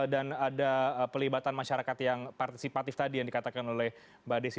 dan ada pelibatan masyarakat yang partisipatif tadi yang dikatakan oleh mbak desi